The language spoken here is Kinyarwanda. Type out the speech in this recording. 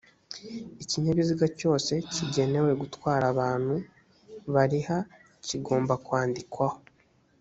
ikinyabiziga cyose kigenewe gutwara abantu bariha kigomba kwandikwaho